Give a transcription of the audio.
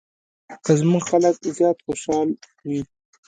زموږ خلک زیات خوشحال وي.